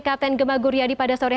kapten gemma guryadi pada sore hari ini